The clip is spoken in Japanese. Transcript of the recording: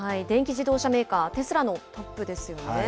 電気自動車メーカー、テスラのトップですよね。